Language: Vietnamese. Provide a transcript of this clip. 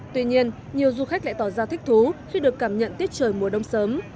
tuy nhiên nhiều du khách lại tỏ ra thích thú khi được cảm nhận tiết trời mùa đông sớm